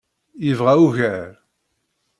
Yebɣa ugar.